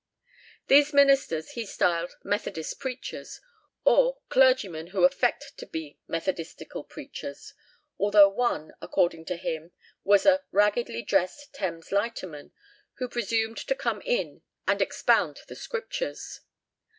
These ministers he styled Methodist preachers, or "clergymen who affect to be methodistical preachers," although one, according to him, was a "raggedly dressed Thames lighterman," who presumed to come in and expound the Scriptures.